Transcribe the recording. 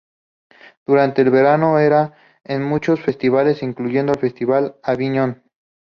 Durante el verano, era en muchos festivales incluyendo el Festival de Aviñón.